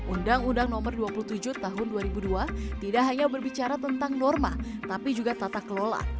undang undang nomor dua puluh tujuh tahun dua ribu dua tidak hanya berbicara tentang norma tapi juga tata kelola